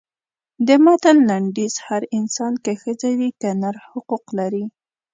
د متن لنډیز هر انسان که ښځه وي که نر حقوق لري.